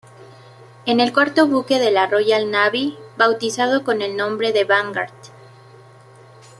Es el cuarto buque de la Royal Navy bautizado con el nombre de "Vanguard".